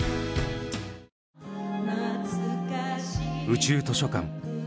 「宇宙図書館」。